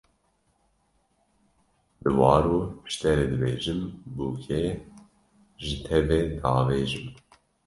Diwaro ji te re dibêjim, bûkê ji te ve davêjim